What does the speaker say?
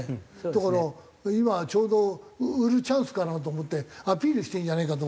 だから今ちょうど売るチャンスかなと思ってアピールしてるんじゃねえかと。